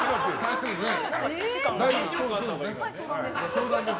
相談です。